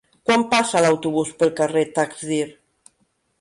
Quan passa l'autobús pel carrer Taxdirt?